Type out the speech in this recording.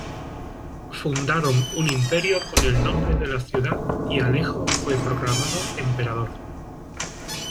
Fundaron un imperio con el nombre de la ciudad y Alejo fue proclamado emperador.